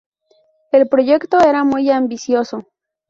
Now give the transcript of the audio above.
El proyecto era muy ambicioso.